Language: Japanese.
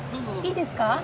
いいですか？